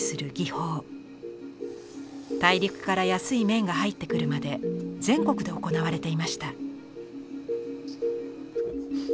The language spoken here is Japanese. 大陸から安い綿が入ってくるまで全国で行われていました。